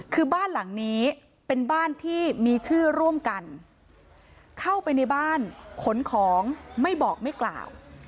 คือบ้านหลังนี้เป็นบ้านที่มีชื่อร่วมกันเข้าไปในบ้านขนของไม่บอกไม่กล่าว